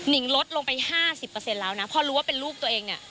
งลดลงไป๕๐แล้วนะพอรู้ว่าเป็นลูกตัวเองเนี่ย